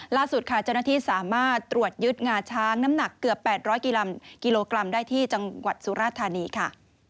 ล่าสุดค่ะเจ้าหน้าที่สามารถตรวจยึดงาช้างน้ำหนักเกือบ๘๐๐กิโลกรัมได้ที่จังหวัดสุราธานีค่ะ